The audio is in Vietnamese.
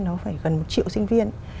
nó phải gần một triệu sinh viên